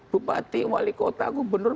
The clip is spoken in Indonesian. bupati wali kota gubernur